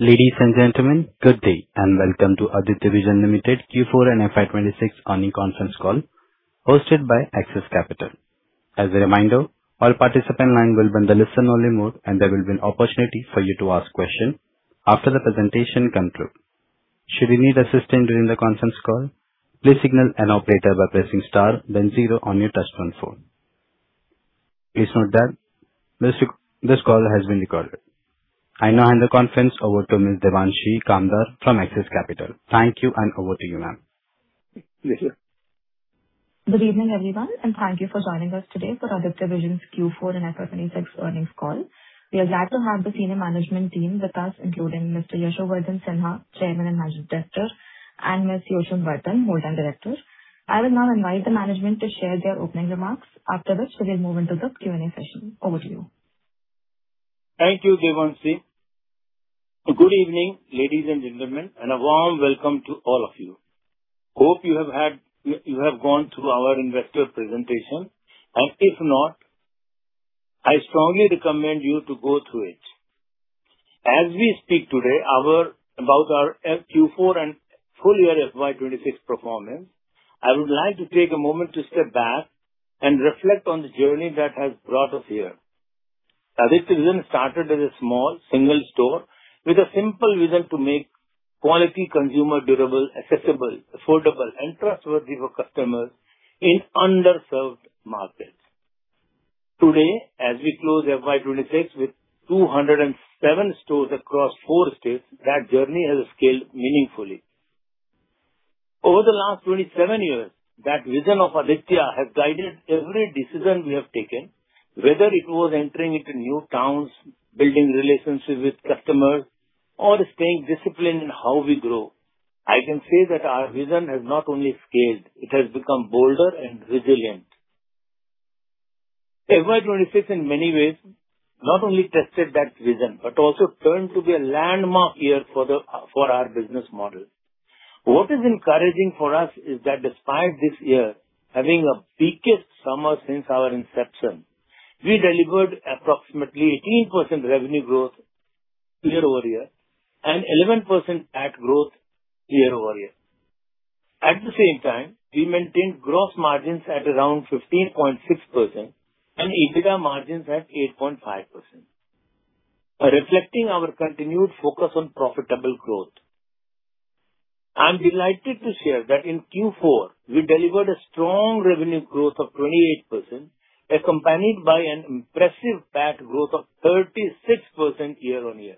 Ladies and gentlemen, good day and welcome to Aditya Vision Limited Q4 and FY 2026 earnings conference call hosted by Axis Capital. As a reminder, all participant lines will be in the listen only mode, and there will be an opportunity for you to ask questions after the presentation concludes. Should you need assistance during the conference call, please signal an operator by pressing star then 0 on your touchtone phone. Please note that this call has been recorded. I now hand the conference over to Ms. Devanshi Khandelwal from Axis Capital. Thank you, and over to you, ma'am. Good evening, everyone, and thank you for joining us today for Aditya Vision's Q4 and FY 2026 earnings call. We are glad to have the senior management team with us, including Mr. Yashovardhan Sinha, Chairman and Managing Director, and Ms. Yosham Vardhan, Whole Time Director. I will now invite the management to share their opening remarks. After this, we will move into the Q&A session. Over to you. Thank you, Devanshi. Good evening, ladies and gentlemen, and a warm welcome to all of you. Hope you have gone through our investor presentation, and if not, I strongly recommend you to go through it. As we speak today about our Q4 and full year FY 2026 performance, I would like to take a moment to step back and reflect on the journey that has brought us here. Aditya Vision started as a small single store with a simple vision to make quality consumer durables, accessible, affordable, and trustworthy for customers in underserved markets. Today, as we close FY 2026 with 207 stores across four states, that journey has scaled meaningfully. Over the last 27 years, that vision of Aditya has guided every decision we have taken, whether it was entering into new towns, building relationships with customers, or staying disciplined in how we grow. I can say that our vision has not only scaled, it has become bolder and resilient. FY 2026 in many ways not only tested that vision, but also proved to be a landmark year for our business model. What is encouraging for us is that despite this year having the weakest summer since our inception, we delivered approximately 18% revenue growth year-over-year and 11% PAT growth year-over-year. At the same time, we maintained gross margins at around 15.6% and EBITDA margins at 8.5%, reflecting our continued focus on profitable growth. I'm delighted to share that in Q4, we delivered a strong revenue growth of 28%, accompanied by an impressive PAT growth of 36% year-on-year.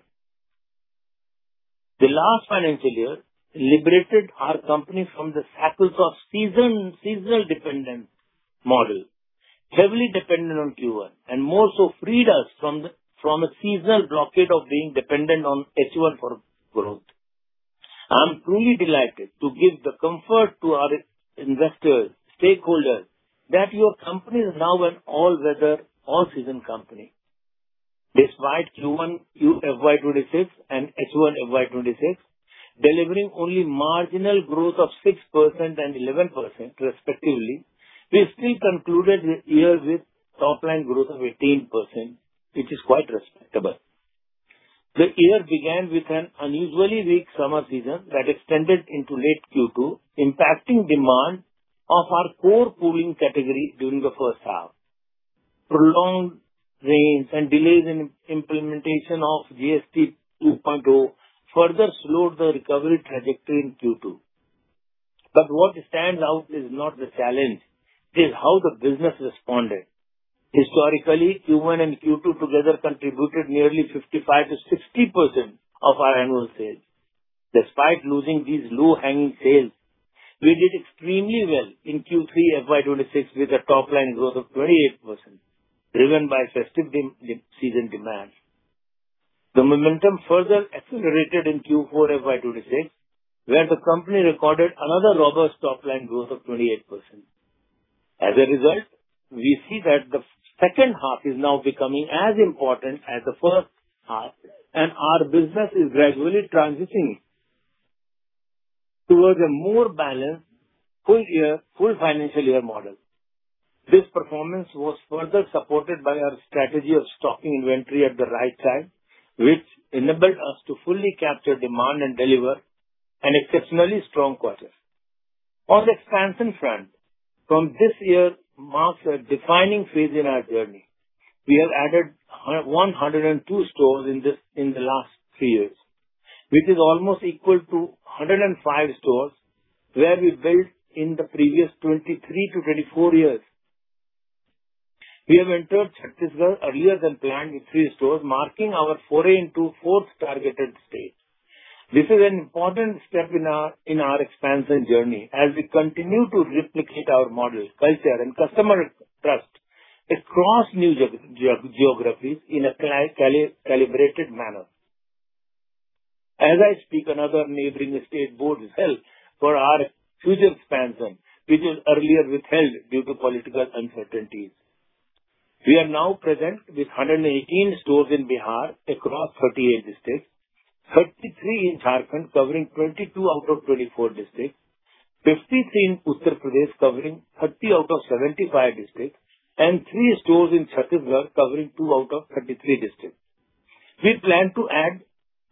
The last financial year liberated our company from the shackles of season-dependent model, heavily dependent on Q1, and more so freed us from a seasonal blockade of being dependent on H1 for growth. I am truly delighted to give the comfort to our investors, stakeholders that your company is now an all-weather, all-season company. Despite Q1 FY 2026 and H1 FY 2026 delivering only marginal growth of 6% and 11% respectively, we still concluded the year with top line growth of 18%, which is quite respectable. The year began with an unusually weak summer season that extended into late Q2, impacting demand of our core cooling category during the first half. Prolonged rains and delays in implementation of GST 2.0 further slowed the recovery trajectory in Q2. What stands out is not the challenge, it is how the business responded. Historically, Q1 and Q2 together contributed nearly 55%-60% of our annual sales. Despite losing these low-hanging sales, we did extremely well in Q3 FY 2026 with a top line growth of 28%, driven by festive season demand. The momentum further accelerated in Q4 FY 2026, where the company recorded another robust top line growth of 28%. As a result, we see that the second half is now becoming as important as the first half, and our business is gradually transiting towards a more balanced full financial year model. This performance was further supported by our strategy of stocking inventory at the right time, which enabled us to fully capture demand and deliver an exceptionally strong quarter. On the expansion front, from this year marks a defining phase in our journey. We have added 102 stores in the last three years, which is almost equal to 105 stores where we built in the previous 23-24 years. We have entered Chhattisgarh earlier than planned with three stores, marking our foray into fourth targeted state. This is an important step in our expansion journey as we continue to replicate our model, culture, and customer trust across new geographies in a calibrated manner. As I speak, another neighboring state border is held for our future expansion, which is earlier withheld due to political uncertainties. We are now present with 118 stores in Bihar across 38 districts, 33 in Jharkhand covering 22 out of 24 districts, 53 in Uttar Pradesh covering 30 out of 75 districts, and three stores in Chhattisgarh covering two out of 33 districts. We plan to add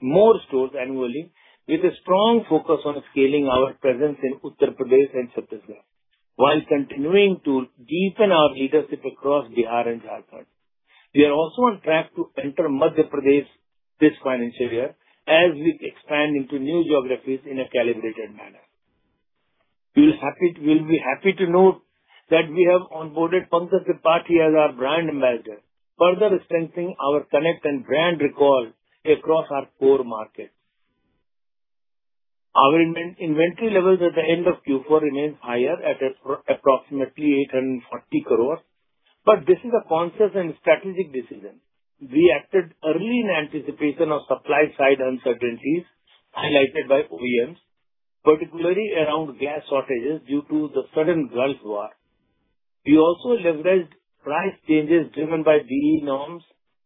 more stores annually with a strong focus on scaling our presence in Uttar Pradesh and Chhattisgarh while continuing to deepen our leadership across Bihar and Jharkhand. We are also on track to enter Madhya Pradesh this financial year as we expand into new geographies in a calibrated manner. You will be happy to note that we have onboarded Pankaj Tripathi as our brand ambassador, further strengthening our connect and brand recall across our core markets. Our inventory levels at the end of Q4 remain higher at approximately 840 crore, this is a conscious and strategic decision. We acted early in anticipation of supply side uncertainties highlighted by OEMs, particularly around gas shortages due to the sudden Iran-Israel conflict. We also leveraged price changes driven by BEE norms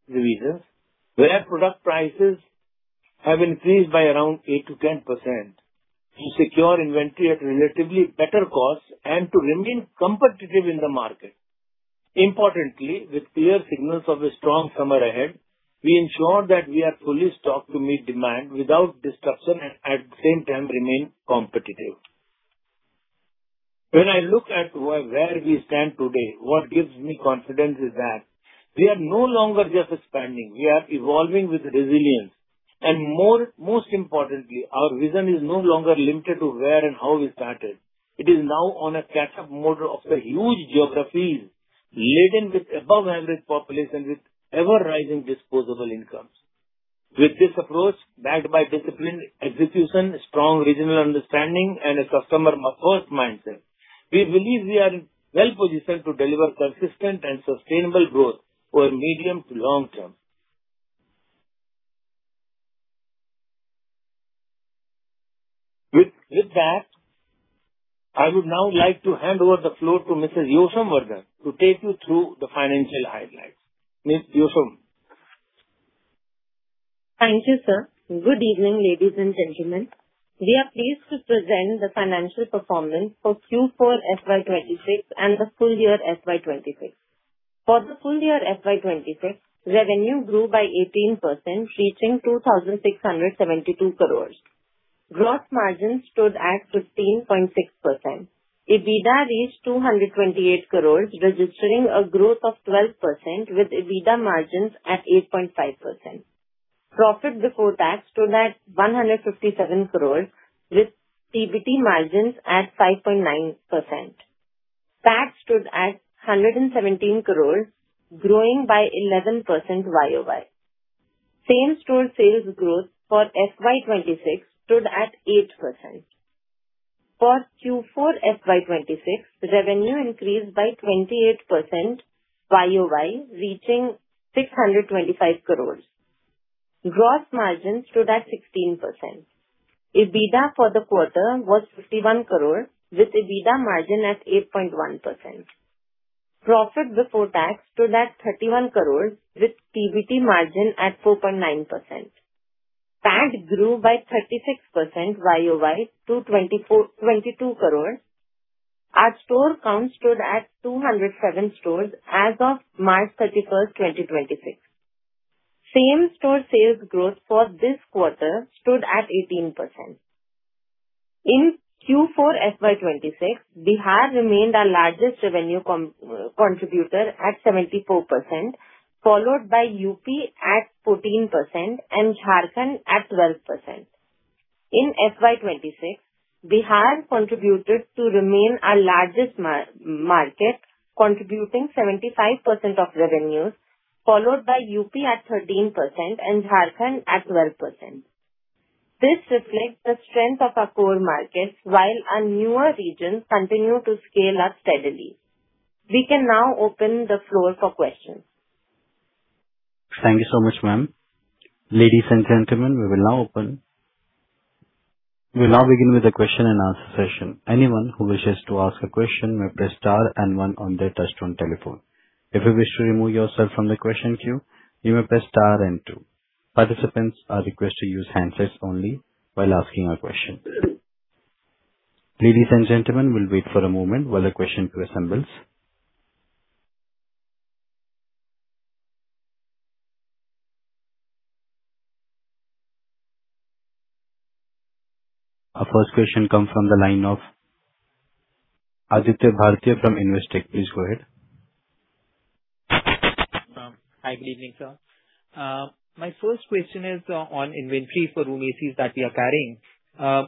revisions, where product prices have increased by around 8%-10%, to secure inventory at a relatively better cost and to remain competitive in the market. Importantly, with clear signals of a strong summer ahead, we ensure that we are fully stocked to meet demand without disruption and at the same time remain competitive. When I look at where we stand today, what gives me confidence is that we are no longer just expanding. We are evolving with resilience. Most importantly, our vision is no longer limited to where and how we started. It is now on a catch-up mode of the huge geographies laden with above-average population with ever-rising disposable incomes. With this approach, backed by disciplined execution, strong regional understanding, and a customer-first mindset, we believe we are well-positioned to deliver consistent and sustainable growth over medium to long term. With that, I would now like to hand over the floor to Mrs. Yosham Vardhan to take you through the financial highlights. Ms. Yosham. Thank you, sir. Good evening, ladies and gentlemen. We are pleased to present the financial performance for Q4 FY 2026 and the full year FY 2026. For the full year FY 2026, revenue grew by 18%, reaching 2,672 crores. Gross margin stood at 15.6%. EBITDA reached 228 crores, registering a growth of 12%, with EBITDA margins at 8.5%. Profit before tax stood at 157 crores, with PBT margins at 5.9%. PAT stood at 117 crores, growing by 11% year-over-year. Same-store sales growth for FY 2026 stood at 8%. For Q4 FY 2026, revenue increased by 28% year-over-year, reaching 625 crores. Gross margin stood at 16%. EBITDA for the quarter was 51 crores, with EBITDA margin at 8.1%. Profit before tax stood at INR 31 crores, with PBT margin at 4.9%. PAT grew by 36% year-over-year to 22 crores. Our store count stood at 207 stores as of March 31st, 2026. Same-store sales growth for this quarter stood at 18%. In Q4 FY 2026, Bihar remained our largest revenue contributor at 74%, followed by UP at 14% and Jharkhand at 12%. In FY 2026, Bihar contributed to remain our largest market, contributing 75% of revenues, followed by UP at 13% and Jharkhand at 12%. This reflects the strength of our core markets while our newer regions continue to scale up steadily. We can now open the floor for questions. Thank you so much, ma'am. Ladies and gentlemen, we will now begin with the question and answer session. Anyone who wishes to ask a question may press star and one on their touch-tone telephone. If you wish to remove yourself from the question queue, you may press star and two. Participants are requested to use handsets only while asking a question. Ladies and gentlemen, we will wait for a moment while the question queue assembles. Our first question comes from the line of Aditya Bhartia from Investec. Please go ahead. Hi. Good evening, sir. My first question is on inventory for room ACs that we are carrying.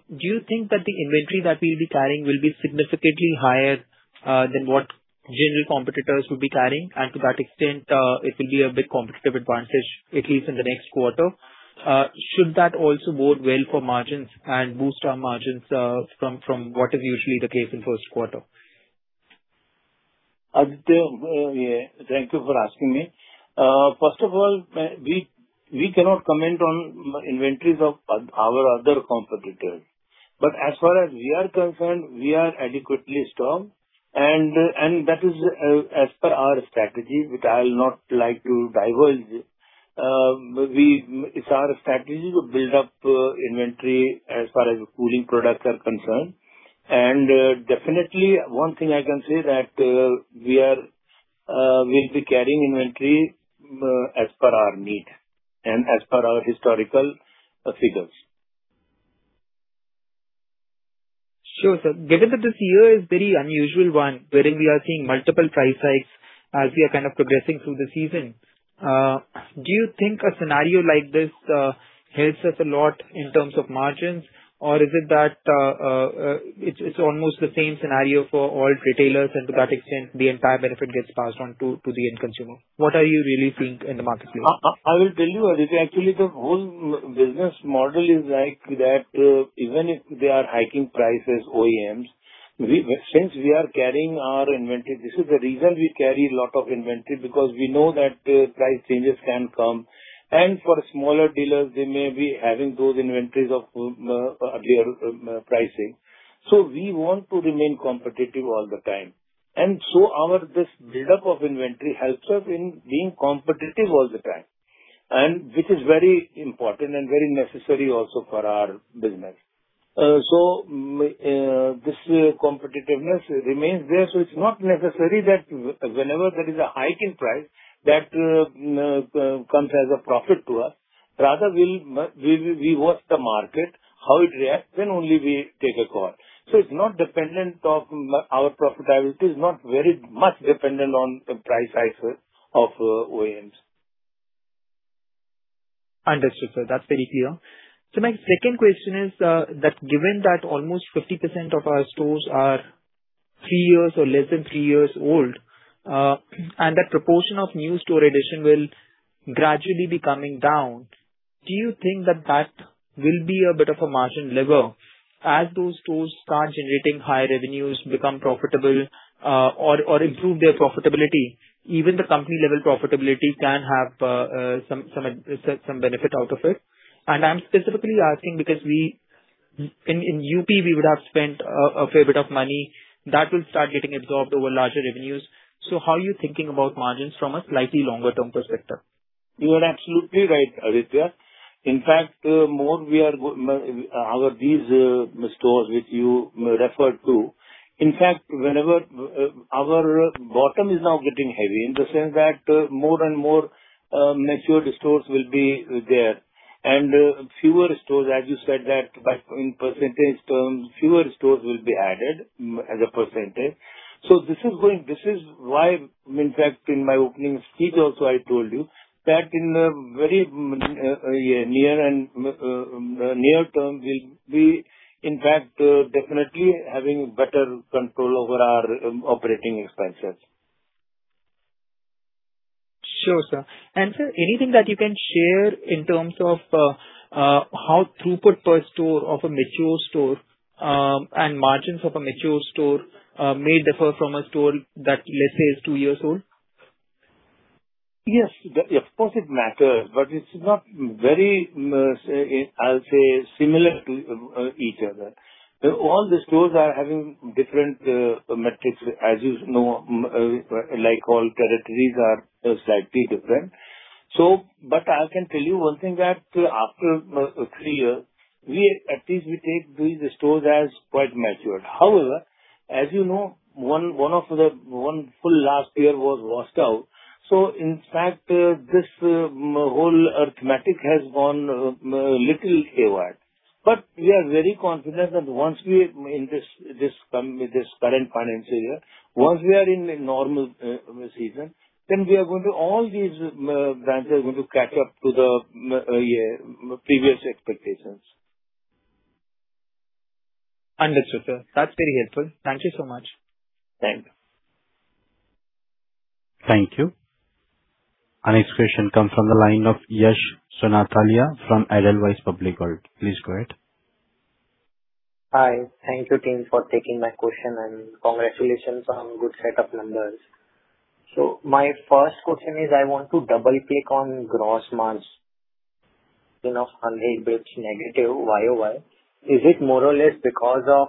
Do you think that the inventory that we will be carrying will be significantly higher than what general competitors would be carrying? To that extent, it will be a big competitive advantage, at least in the next quarter. Should that also bode well for margins and boost our margins from what is usually the case in first quarter? Aditya, thank you for asking me. First of all, we cannot comment on inventories of our other competitors. As far as we are concerned, we are adequately stocked, and that is as per our strategy, which I will not like to divulge. It's our strategy to build up inventory as far as cooling products are concerned. Definitely, one thing I can say that we will be carrying inventory as per our need and as per our historical figures. Sure, sir. Given that this year is very unusual one, wherein we are seeing multiple price hikes as we are kind of progressing through the season, do you think a scenario like this helps us a lot in terms of margins, or is it that it's almost the same scenario for all retailers, to that extent, the entire benefit gets passed on to the end consumer? What are you really seeing in the marketplace? I will tell you, Aditya, actually, the whole business model is like that even if they are hiking prices, OEMs, since we are carrying our inventory, this is the reason we carry lot of inventory because we know that price changes can come. For smaller dealers, they may be having those inventories of earlier pricing. We want to remain competitive all the time. Our buildup of inventory helps us in being competitive all the time, and which is very important and very necessary also for our business. This competitiveness remains there. It's not necessary that whenever there is a hike in price, that comes as a profit to us. Rather, we watch the market, how it reacts, then only we take a call. Our profitability is not very much dependent on the price hikes of OEMs. Understood, sir. That's very clear. My second question is that given that almost 50% of our stores are three years or less than three years old, that proportion of new store addition will gradually be coming down, do you think that that will be a bit of a margin lever as those stores start generating high revenues, become profitable, or improve their profitability, even the company level profitability can have some benefit out of it? I'm specifically asking because in UP we would have spent a fair bit of money that will start getting absorbed over larger revenues. How are you thinking about margins from a slightly longer term perspective? You are absolutely right, Aditya. In fact, these stores which you referred to, our bottom is now getting heavy in the sense that more and more matured stores will be there, and fewer stores, as you said that in percentage terms, fewer stores will be added as a percentage. This is why, in fact, in my opening speech also, I told you that in the very near term, we'll be in fact definitely having better control over our operating expenses. Sure, sir. Sir, anything that you can share in terms of how throughput per store of a mature store and margins of a mature store may differ from a store that, let's say, is two years old? Yes, of course, it matters, but it's not very similar to each other. All the stores are having different metrics, as you know, like all territories are slightly different. I can tell you one thing that after three years, at least we take these stores as quite matured. However, as you know, one full last year was washed out. In fact, this whole arithmetic has gone a little haywire. We are very confident that in this current financial year, once we are in a normal season, then all these branches are going to catch up to the previous expectations. Understood, sir. That's very helpful. Thank you so much. Thank you. Thank you. Our next question comes from the line of Yash Sonthalia from Edelweiss Wealth Management. Please go ahead. Hi. Thank you team for taking my question, congratulations on good set of numbers. My first question is I want to double-click on gross margin of 100 basis points negative YOY. Is it more or less because of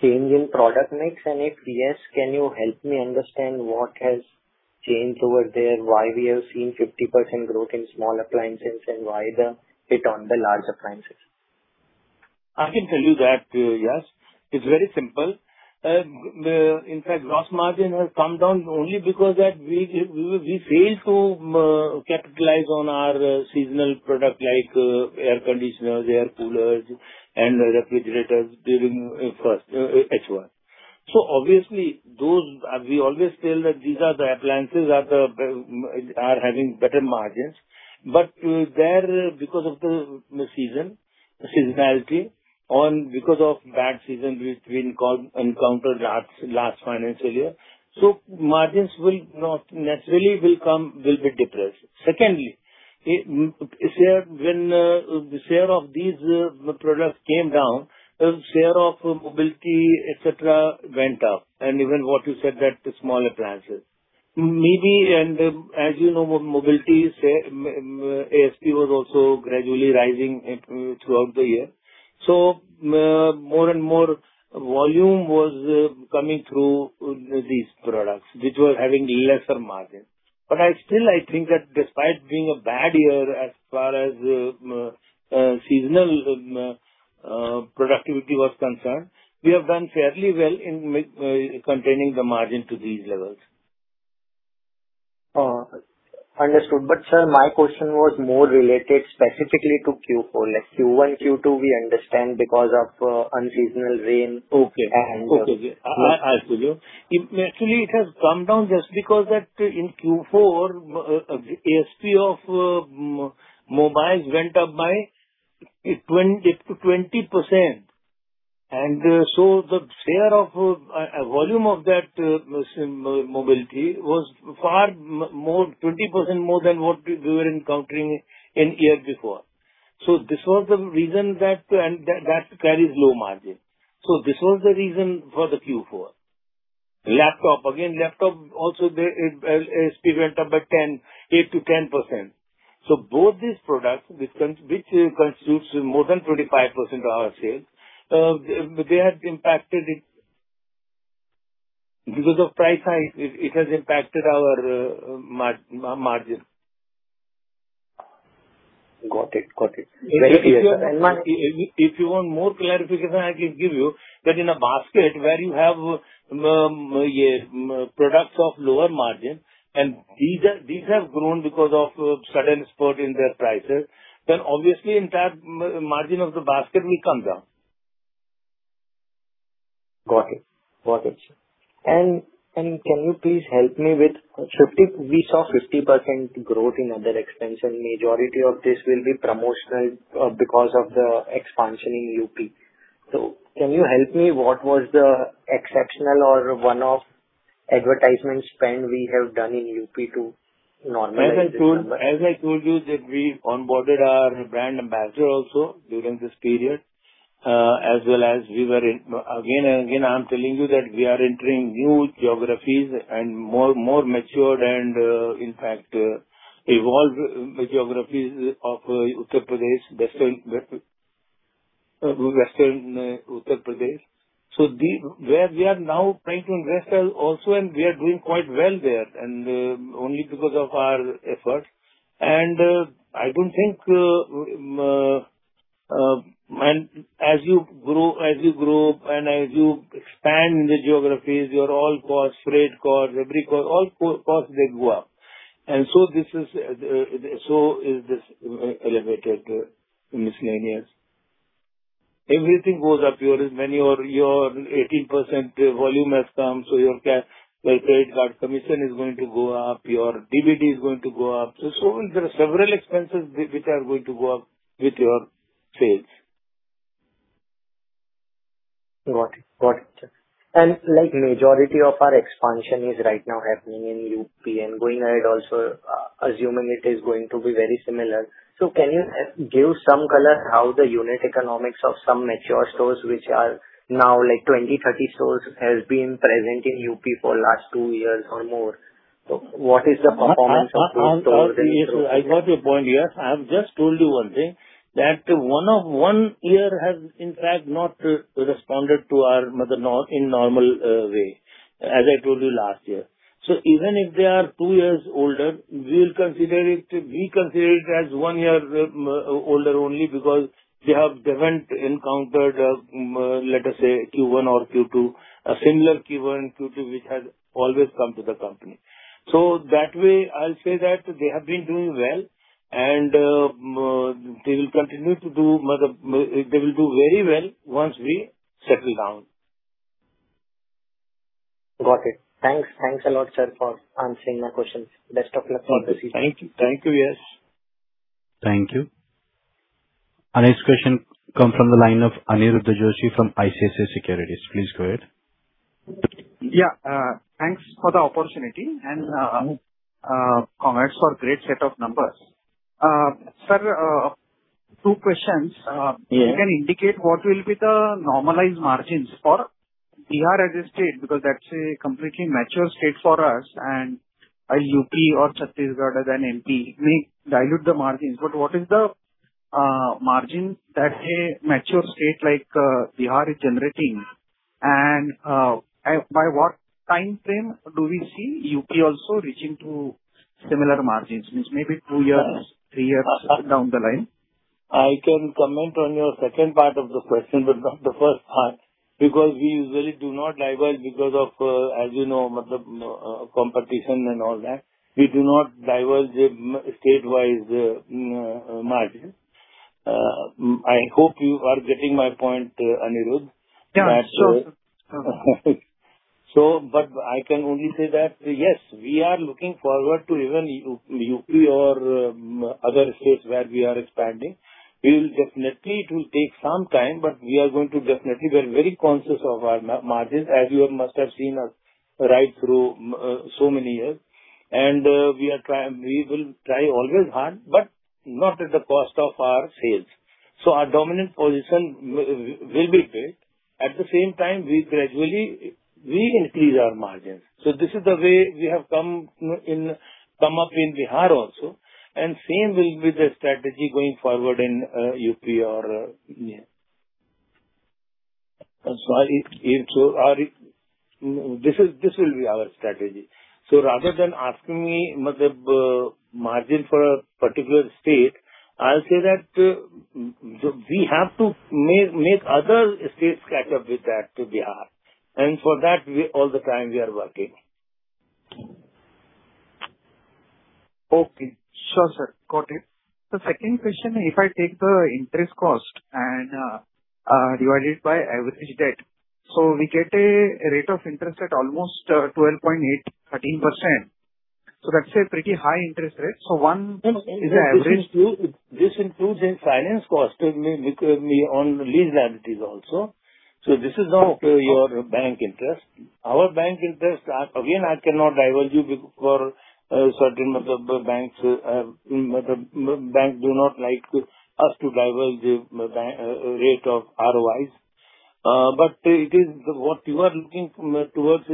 change in product mix? If yes, can you help me understand what has changed over there, why we have seen 50% growth in small appliances, and why the hit on the large appliances? I can tell you that, Yash. It is very simple. In fact, gross margin has come down only because we failed to capitalize on our seasonal product like air conditioners, air coolers, and refrigerators during first H1. Obviously, we always feel that these are the appliances that are having better margins. But there because of the seasonality and because of bad season we have encountered last financial year, margins naturally will be depressed. Secondly, when the share of these products came down, share of mobility, et cetera, went up. Even what you said that small appliances. Maybe, as you know, mobility ASP was also gradually rising throughout the year. More and more volume was coming through these products, which were having lesser margin. Still, I think that despite being a bad year as far as seasonal productivity was concerned, we have done fairly well in containing the margin to these levels. Understood. Sir, my question was more related specifically to Q4. Q1, Q2, we understand because of unseasonal rain. Okay. I'll tell you. Naturally, it has come down just because in Q4, the ASP of mobiles went up by 20%. The share of volume of that mobility was 20% more than what we were encountering in year before. This was the reason, and that carries low margin. This was the reason for the Q4. Laptop. Again, laptop also, the ASP went up by 8%-10%. Both these products, which constitutes more than 25% of our sales, because of price hike, it has impacted our margin. Got it. If you want more clarification, I can give you. That in a basket where you have products of lower margin, and these have grown because of sudden spurt in their prices, then obviously entire margin of the basket will come down. Got it, sir. We saw 50% growth in other expansion. Majority of this will be promotional because of the expansion in UP. Can you help me? What was the exceptional or one-off advertisement spend we have done in UP to normalize this number? As I told you, that we onboarded our brand ambassador also during this period, as well as, again and again, I'm telling you that we are entering new geographies and more mature and, in fact, evolved geographies of Uttar Pradesh, Western Uttar Pradesh. Where we are now trying to invest also, and we are doing quite well there, and only because of our efforts. I don't think as you grow and as you expand the geographies, your all costs, freight cost, every cost, all costs, they go up. So is this elevated miscellaneous. Everything goes up. Your 18% volume has come, so your freight cost, commission is going to go up, your DVD is going to go up. There are several expenses which are going to go up with your sales. Got it, sir. Majority of our expansion is right now happening in UP and going ahead also, assuming it is going to be very similar. Can you give some color how the unit economics of some mature stores, which are now 20, 30 stores, has been present in UP for last two years or more? What is the performance of those stores? I got your point, Yash. I've just told you one thing, that one year has, in fact, not responded to our model in normal way, as I told you last year. Even if they are two years older, we'll consider it as one year older only because they haven't encountered, let us say, Q1 or Q2, a similar Q1 and Q2, which has always come to the company. That way, I'll say that they have been doing well, and they will do very well once we settle down. Got it. Thanks. Thanks a lot, sir, for answering my questions. Best of luck for the season. Thank you, Yash. Thank you. Our next question come from the line of Aniruddha Joshi from ICICI Securities. Please go ahead. Yeah. Thanks for the opportunity and congrats for great set of numbers. Sir, two questions. Yeah. You can indicate what will be the normalized margins for Bihar as a state, because that's a completely mature state for us and a UP or Chhattisgarh as an MP may dilute the margins. What is the margin that a mature state like Bihar is generating? By what time frame do we see UP also reaching to similar margins? Which may be two years, three years down the line. I can comment on your second part of the question, but not the first part, because we usually do not diverge because of, as you know, competition and all that. We do not diverge state-wise margin. I hope you are getting my point, Anirudh. Yeah, sure. I can only say that, yes, we are looking forward to even UP or other states where we are expanding. Definitely it will take some time. We're very conscious of our margins, as you must have seen us right through so many years. We will try always hard, but not at the cost of our sales. Our dominant position will be paid At the same time, we gradually increase our margins. This is the way we have come up in Bihar also, and same will be the strategy going forward in UP or This will be our strategy. Rather than asking me margin for a particular state, I'll say that we have to make other states catch up with that to Bihar, and for that, all the time we are working. Okay. Sure, sir. Got it. The second question, if I take the interest cost and divide it by average debt. We get a rate of interest at almost 12.8, 13%. That's a pretty high interest rate. One is the average This includes finance cost on lease liabilities also. This is now your bank interest. Our bank interest, again, I cannot divulge you because certain banks do not like us to divulge the rate of ROIs. What you are looking towards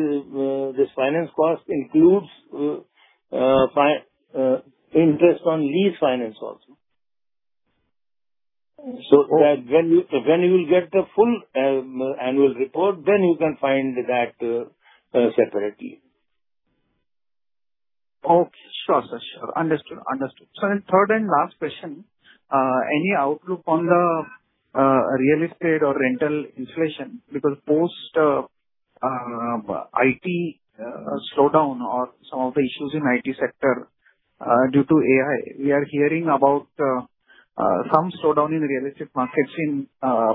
this finance cost includes interest on lease finance also. Okay. When you will get the full annual report, then you can find that separately. Okay. Sure, sir. Understood. Sir, third and last question. Any outlook on the real estate or rental inflation because post IT slowdown or some of the issues in IT sector due to AI, we are hearing about some slowdown in real estate markets in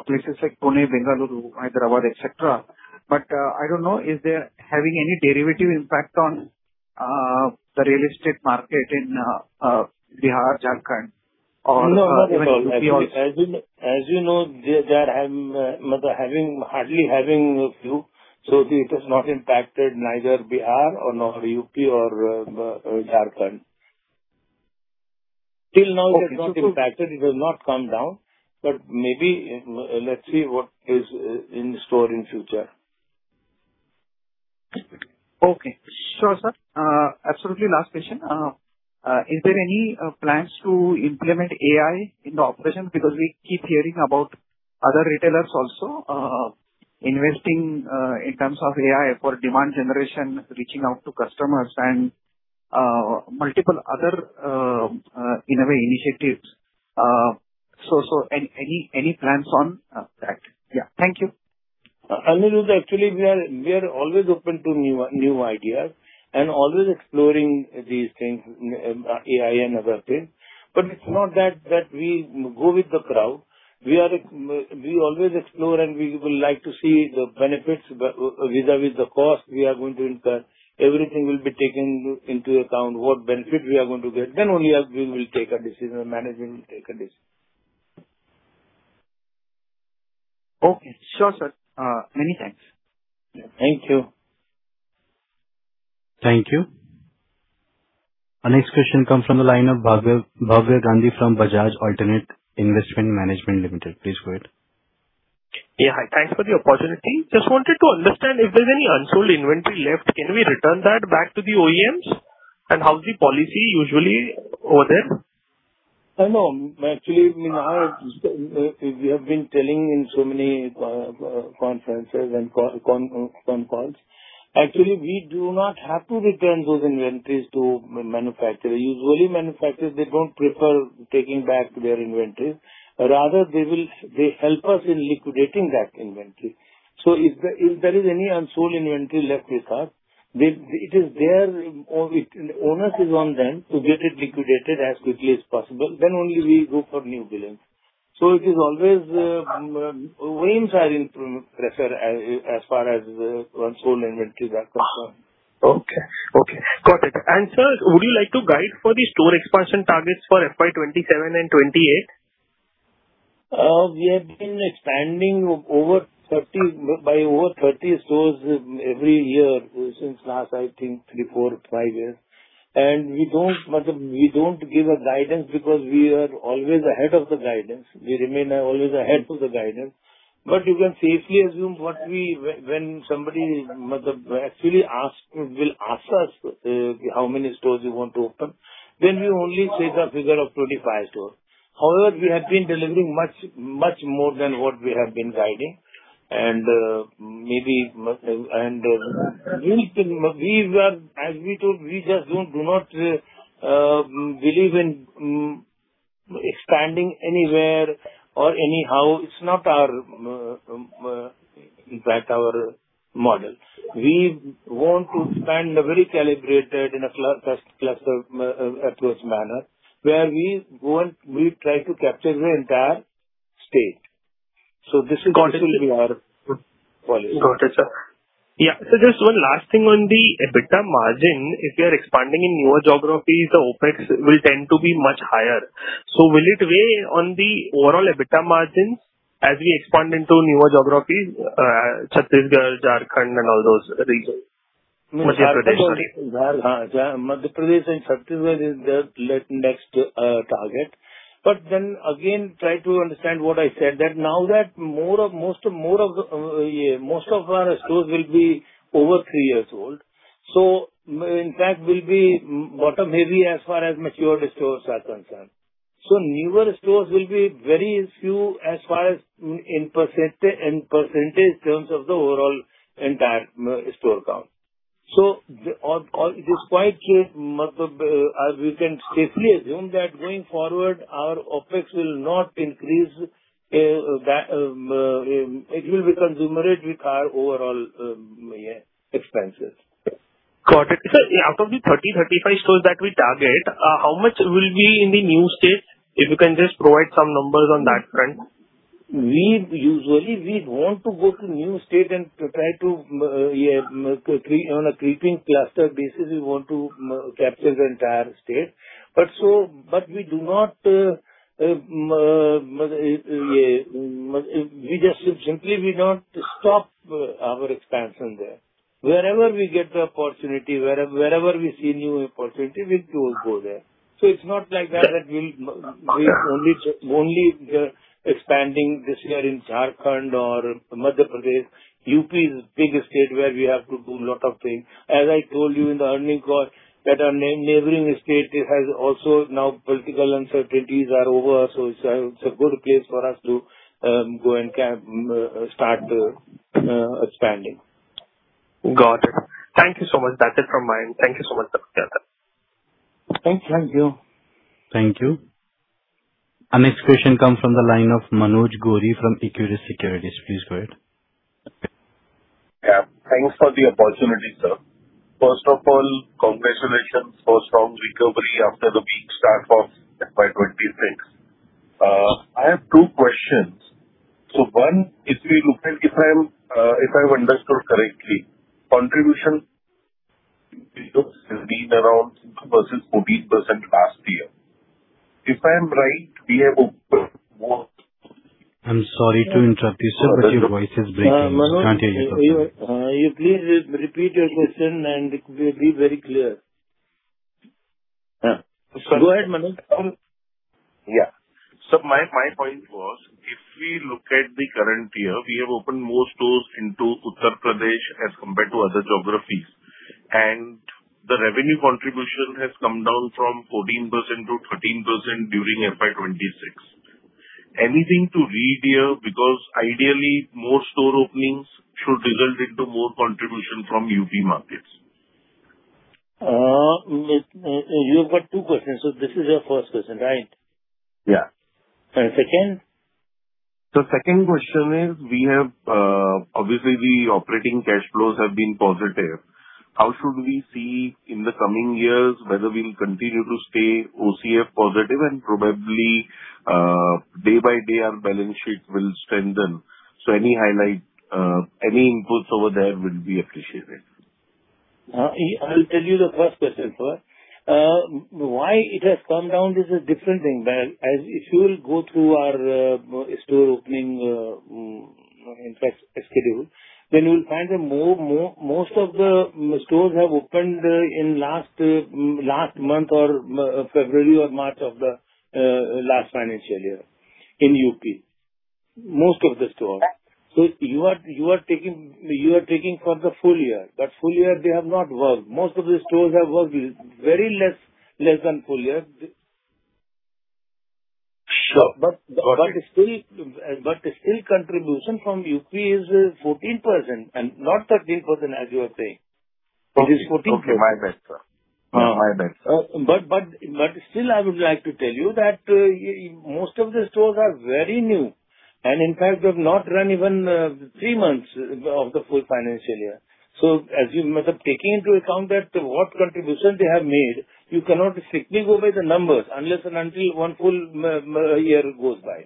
places like Pune, Bengaluru, Hyderabad, et cetera. I don't know, is there having any derivative impact on the real estate market in Bihar, Jharkhand or even UP also? No, not at all. As you know, they are hardly having a few, so this has not impacted neither Bihar nor UP or Jharkhand. Okay. Till now, it has not impacted, it has not come down. Maybe, let's see what is in store in future. Okay. Sure, sir. Absolutely last question. Is there any plans to implement AI in the operation? We keep hearing about other retailers also investing in terms of AI for demand generation, reaching out to customers, and multiple other innovative initiatives. Any plans on that? Yeah. Thank you. Aniruddha, actually, we are always open to new ideas and always exploring these things, AI and other things. It's not that we go with the crowd. We always explore, and we will like to see the benefits vis-à-vis the cost we are going to incur. Everything will be taken into account, what benefit we are going to get, then only we will take a decision, management will take a decision. Okay. Sure, sir. Many thanks. Thank you. Thank you. Our next question comes from the line of Bhavya Gandhi from Bajaj Alternate Investment Management Limited. Please go ahead. Yeah. Hi, thanks for the opportunity. Just wanted to understand if there's any unsold inventory left, can we return that back to the OEMs? How's the policy usually over there? No, actually, we have been telling in so many conferences and con calls. Actually, we do not have to return those inventories to manufacturer. Usually, manufacturers, they don't prefer taking back their inventories. Rather, they help us in liquidating that inventory. If there is any unsold inventory left with us, the onus is on them to get it liquidated as quickly as possible, then only we go for new billing. It is always OEMs are in pressure as far as unsold inventory is concerned. Okay. Got it. Sir, would you like to guide for the store expansion targets for FY 2027 and FY 2028? We have been expanding by over 30 stores every year since last, I think, three, four, five years. We don't give a guidance because we are always ahead of the guidance. We remain always ahead of the guidance. You can safely assume when somebody actually will ask us how many stores we want to open, then we only say the figure of 25 stores. However, we have been delivering much more than what we have been guiding as we told, we just do not believe in expanding anywhere or anyhow. It's not our model. We want to expand very calibrated in a cluster approach manner, where we try to capture the entire state. This will be. Got it. our policy. Got it, sir. Yeah. Just one last thing on the EBITDA margin. If you are expanding in newer geographies, the OpEx will tend to be much higher. Will it weigh on the overall EBITDA margins as we expand into newer geographies, Chhattisgarh, Jharkhand and all those regions? Madhya Pradesh and Chhattisgarh is the next target. Again, try to understand what I said, that now that most of our stores will be over three years old, so in fact, we'll be bottom-heavy as far as mature stores are concerned. Newer stores will be very few as far as in percentage terms of the overall entire store count. Despite this, as we can safely assume that going forward, our OpEx will not increase. It will be commensurate with our overall expenses. Got it. Sir, out of the 30, 35 stores that we target, how much will be in the new state? If you can just provide some numbers on that front. Usually, we want to go to a new state and try to, on a creeping cluster basis, we want to capture the entire state. We just simply do not stop our expansion there. Wherever we get the opportunity, wherever we see new opportunity, we too will go there. It's not like that we're only expanding this year in Jharkhand or Madhya Pradesh. UP is a big state where we have to do a lot of things. As I told you in the earning call, that our neighboring state has also now political uncertainties are over, so it's a good place for us to go and start expanding. Got it. Thank you so much. That's it from my end. Thank you so much, Tapasya. Thank you. Thank you. Our next question comes from the line of Manoj Gori from Equirus Securities. Please go ahead. Yeah, thanks for the opportunity, sir. First of all, congratulations for strong recovery after the weak start of FY 2026. I have two questions. One, if I've understood correctly, contribution has been around 14% last year. If I'm right, we have opened more- I'm sorry to interrupt you, sir, but your voice is breaking. Continue, sir. Manoj, please repeat your question, and it will be very clear. Yeah. Go ahead, Manoj. Yeah. My point was, if we look at the current year, we have opened more stores into Uttar Pradesh as compared to other geographies. The revenue contribution has come down from 14% to 13% during FY 2026. Anything to read here? Ideally, more store openings should result into more contribution from UP markets. You've got two questions. This is your first question, right? Yeah. Second? The second question is, obviously, the operating cash flows have been positive. How should we see in the coming years whether we'll continue to stay OCF positive and probably, day by day, our balance sheet will strengthen. Any highlight, any inputs over there will be appreciated. I'll tell you the first question first. Why it has come down is a different thing. You will go through our store opening schedule, you'll find that most of the stores have opened in last month or February or March of the last financial year in UP. Most of the stores. You are taking for the full year. That full year, they have not worked. Most of the stores have worked very less than a full year. Sure. Still, contribution from UP is 14% and not 13% as you are saying. It is 14%. Okay. My bad, sir. Still, I would like to tell you that most of the stores are very new and in fact, they've not run even three months of the full financial year. As you might have taken into account that what contribution they have made, you cannot strictly go by the numbers unless and until one full year goes by.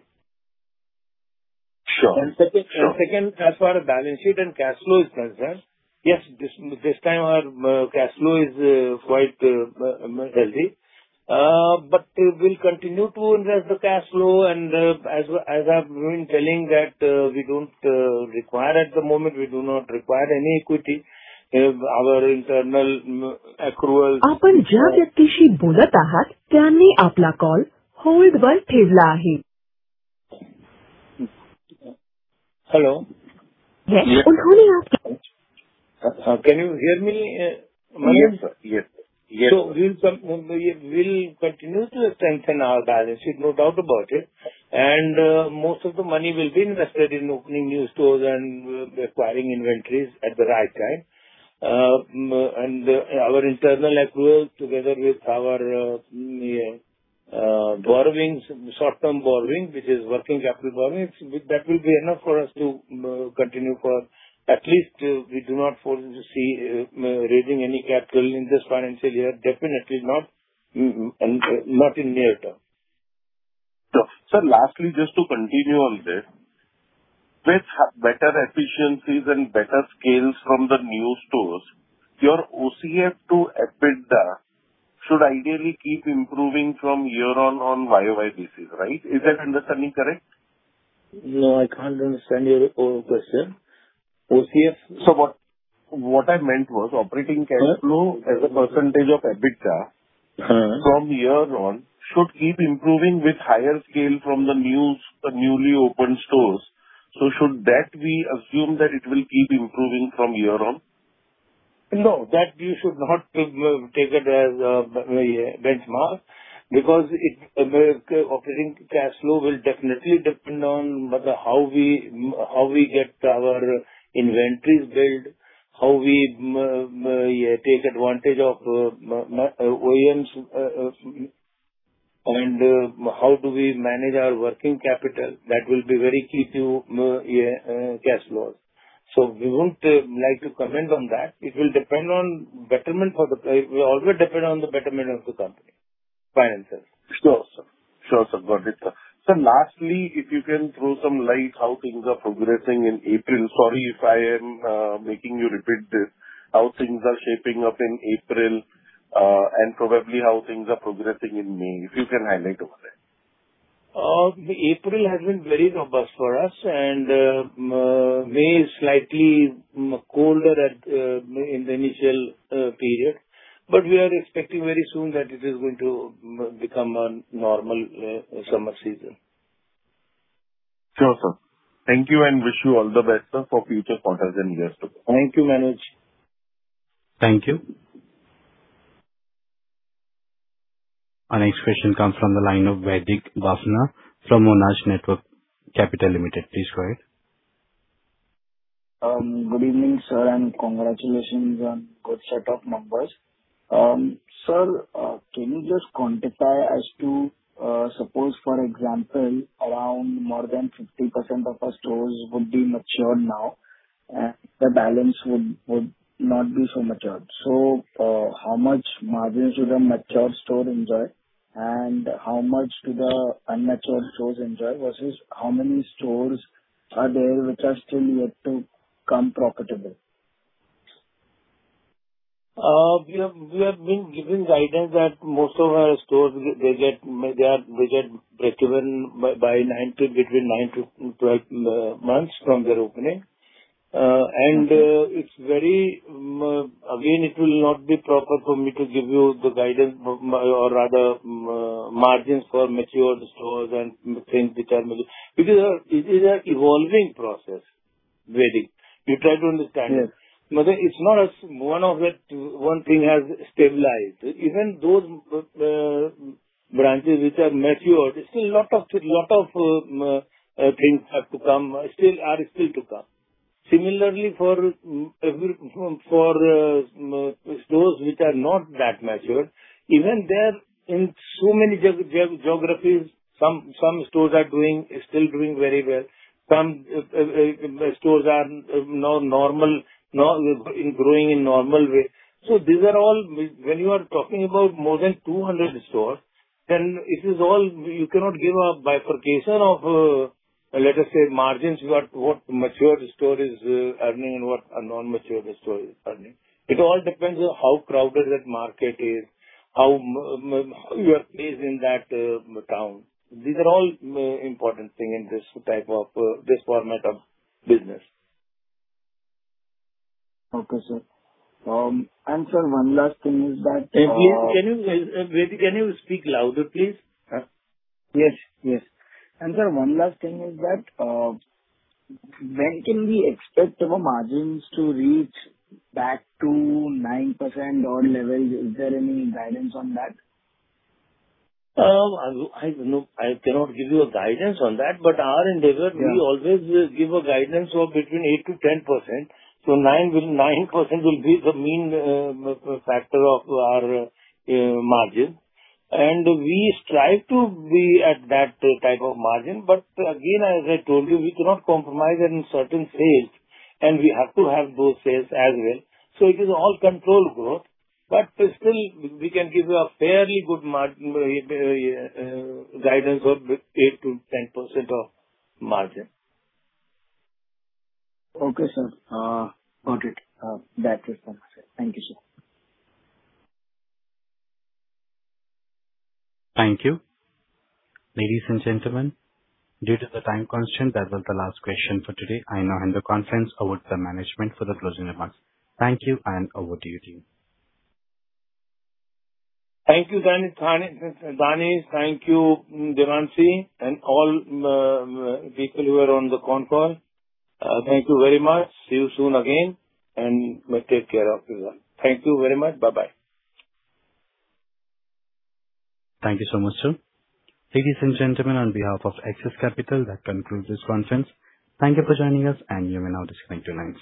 Sure. Second, as far as balance sheet and cash flow is concerned, yes, this time our cash flow is quite healthy. We'll continue to invest the cash flow, and as I've been telling that, we do not require any equity. Our internal accrual- Hello. Yes. Can you hear me? Yes, sir. We'll continue to strengthen our balance sheet, no doubt about it, and most of the money will be invested in opening new stores and acquiring inventories at the right time. Our internal accrual, together with our borrowings, short-term borrowings, which is working capital borrowings, that will be enough for us to continue for at least we do not foresee raising any capital in this financial year, definitely not in the near term. Sir, lastly, just to continue on this, with better efficiencies and better scales from the new stores, your OCF to EBITDA should ideally keep improving from year on a YOY basis, right? Is that understanding correct? No, I can't understand your question. OCF? What I meant was operating cash flow as a percentage of EBITDA- From here on should keep improving with higher scale from the newly opened stores. Should that be assumed that it will keep improving from here on? No. That you should not take it as a benchmark because operating cash flow will definitely depend on how we get our inventories built, how we take advantage of OEMs, and how do we manage our working capital. That will be very key to cash flows. We won't like to comment on that. It will always depend on the betterment of the company finances. Sure, sir. Got it, sir. Sir, lastly, if you can throw some light how things are progressing in April. Sorry if I am making you repeat this. How things are shaping up in April, and probably how things are progressing in May. If you can highlight over there. April has been very robust for us, and May is slightly colder in the initial period. We are expecting very soon that it is going to become a normal summer season. Sure, sir. Thank you, and wish you all the best, sir, for future quarters and years to come. Thank you, Manoj. Thank you. Our next question comes from the line of Vaidik Bhavsar from Monarch Networth Capital Limited. Please go ahead. Good evening, sir, congratulations on good set of numbers. Sir, can you just quantify as to, suppose, for example, around more than 50% of our stores would be mature now, the balance would not be so mature. How much margins do the mature store enjoy, how much do the unmatured stores enjoy, versus how many stores are there which are still yet to come profitable? We have been giving guidance that most of our stores, they get breakeven between nine to 12 months from their opening. Again, it will not be proper for me to give you the guidance or rather margins for mature stores and things which are middle. It is an evolving process, Vaidik. You try to understand. Yes. It's not as one thing has stabilized. Even those branches which are mature, still lot of things are still to come. Similarly, for stores which are not that mature, even there, in so many geographies, some stores are still doing very well. Some stores are growing in normal way. When you are talking about more than 200 stores, you cannot give a bifurcation of, let us say, margins, what mature store is earning and what a non-mature store is earning. It all depends on how crowded that market is, how you are placed in that town. These are all important thing in this format of business. Okay, sir. Sir, one last thing is that. Vaidik, can you speak louder, please? Yes. Sir, one last thing is that, when can we expect our margins to reach back to 9% or levels? Is there any guidance on that? I cannot give you a guidance on that. Our endeavor, we always give a guidance of between 8%-10%. 9% will be the mean factor of our margin, and we strive to be at that type of margin. Again, as I told you, we cannot compromise on certain sales, and we have to have those sales as well. It is all controlled growth, but still, we can give you a fairly good guidance of 8%-10% of margin. Okay, sir. Got it. That was my question. Thank you, sir. Thank you. Ladies and gentlemen, due to the time constraint, that was the last question for today. I now hand the conference over to management for the closing remarks. Thank you, and over to you, team. Thank you, Danish. Thank you, Devanshi, and all people who are on the con call. Thank you very much. See you soon again, and take care of yourself. Thank you very much. Bye-bye. Thank you so much, sir. Ladies and gentlemen, on behalf of Axis Capital, that concludes this conference. Thank you for joining us, and you may now disconnect your lines.